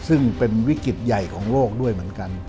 ซึ่งเป็นวิกฤตใหญ่ของโลกด้วยเหมือนกัน